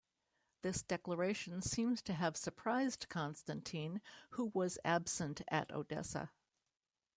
This declaration seems to have surprised Constantine, who was absent at Odessa.